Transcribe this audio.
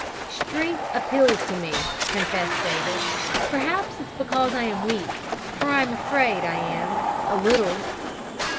"Strength appeals to me," confessed David. "Perhaps it's because I am weak; for I'm afraid I am, a little!"